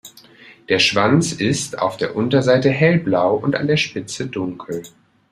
Der Schwanz ist auf der Unterseite hellblau und an der Spitze dunkel.